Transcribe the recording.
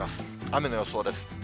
雨の予想です。